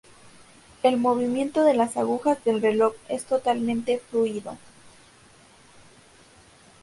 El movimiento de las agujas del reloj es totalmente fluido.